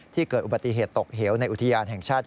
เกิดอุบัติเหตุตกเหวในอุทยานแห่งชาติ